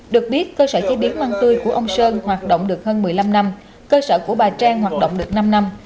được biết cơ sở chế biến măng tươi của ông sơn hoạt động được hơn một mươi năm năm cơ sở của bà trang hoạt động được năm năm